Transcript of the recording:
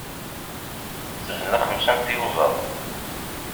Tezla xemsa n tyuẓaḍ.